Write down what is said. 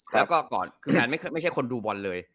แล้วก็ก่อนคือแนนไม่ใช่คนดูบอลเลย